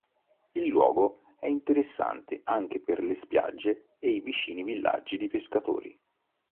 Il luogo è interessante anche per le spiagge e i vicini villaggi di pescatori.